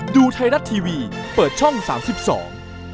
ฉันจะรักคุณทุกคนมากครับผม